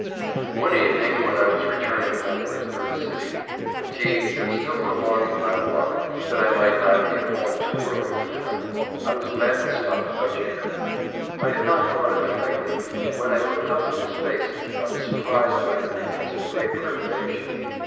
One evening when I was returning homewards through the city, fatigued, but still prolonging my walk, that I might not be at home too early for dinner, I was met and stopped by Jacob: I had not thought of him lately, and when I looked up in his face, I was surprised by an appearance of great perturbation.